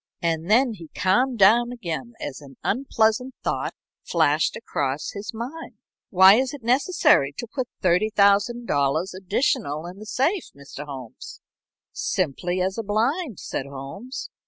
And then he calmed down again as an unpleasant thought flashed across his mind. "Why is it necessary to put $30,000 additional in the safe, Mr. Holmes?" "Simply as a blind," said Holmes.